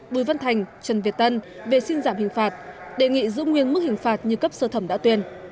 bùi văn thành trần việt tân về xin giảm hình phạt đề nghị giữ nguyên mức hình phạt như cấp sơ thẩm đã tuyên